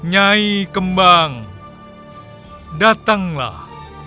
jaih kembang datanglah